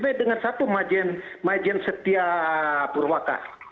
pak sby dengan satu majen setia purwaka